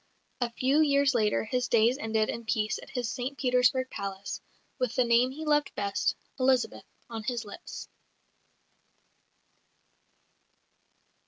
A few years later his days ended in peace at his St Petersburg palace, with the name he loved best, "Elizabeth," on his lips.